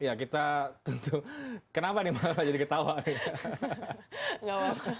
iya kita tentu kenapa nih jadi ketawa kek